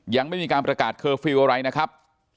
ยังไม่มีการประกาศเคอร์ฟิลล์อะไรนะครับ